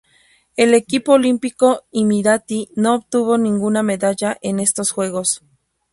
El equipo olímpico emiratí no obtuvo ninguna medalla en estos Juegos.